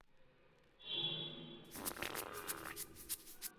দক্ষিণে সামনের দরজা, উত্তরে পিছনের, পূর্বে বাম ও পশ্চিমে ডান দরজা।